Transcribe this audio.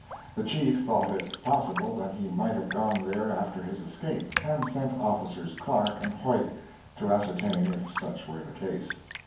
The Chief thought it possible that he might have gone there after his escape, and sent officers Clark and Hoyt to ascertain if such were the case.